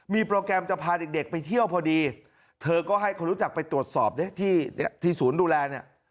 มีโปรแกรมจะพาเด็กไปเที่ยวพอดีเธอก็ให้คนรู้จักไปตรวจสอบที่ศูนย์ดูแลเนี่ย